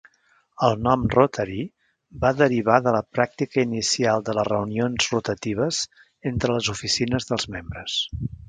El nom Rotary va derivar de la pràctica inicial de les reunions rotatives entre les oficines dels membres.